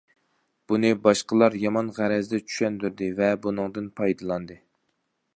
بۇنى باشقىلار يامان غەرەزدە چۈشەندۈردى ۋە بۇنىڭدىن پايدىلاندى.